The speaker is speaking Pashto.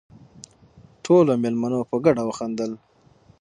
ټولو مېلمنو په ګډه وخندل.